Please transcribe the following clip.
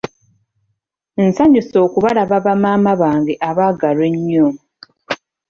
Nsanyuse okubalaba ba Maama bange abaagalwa ennyo.